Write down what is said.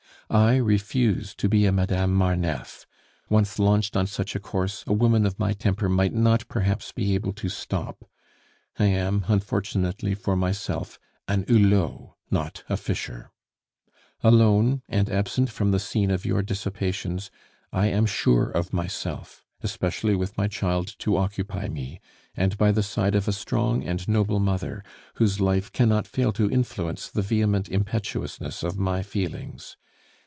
"I refuse to be a Madame Marneffe; once launched on such a course, a woman of my temper might not, perhaps, be able to stop. I am, unfortunately for myself, a Hulot, not a Fischer. "Alone, and absent from the scene of your dissipations, I am sure of myself, especially with my child to occupy me, and by the side of a strong and noble mother, whose life cannot fail to influence the vehement impetuousness of my feelings.